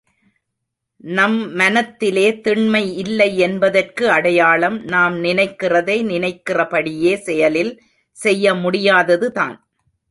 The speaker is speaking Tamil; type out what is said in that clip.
நம் மனத்திலே திண்மை இல்லை என்பதற்கு அடையாளம், நாம் நினைக்கிறதை நினைக்கிறபடியே செயலில் செய்ய முடியாதது தான்.